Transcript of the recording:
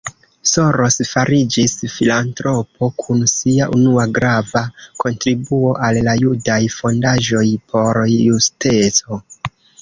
Soros fariĝis filantropo kun sia unua grava kontribuo al la Judaj Fondaĵoj por Justeco.